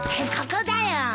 ここだよ。